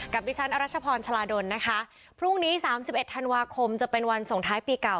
ดิฉันอรัชพรชาลาดลนะคะพรุ่งนี้สามสิบเอ็ดธันวาคมจะเป็นวันส่งท้ายปีเก่า